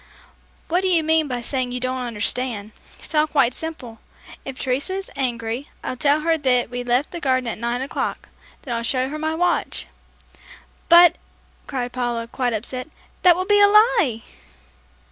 "What do you mean by saying you don't understand? It's all quite simple. If Teresa is angry, I'll tell her that we left the garden at nine o'clock; then I'll show her my watch." "But," cried Paula, quite upset, "that would be a lie!"